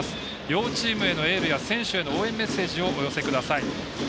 両チームへのエールや選手への応援メッセージをお寄せください。